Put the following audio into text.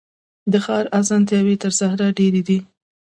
د ښار اسانتیاوي تر صحرا ډیري دي.